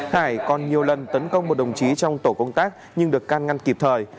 hải còn nhiều lần tấn công một đồng chí trong tổ công tác nhưng được can ngăn kịp thời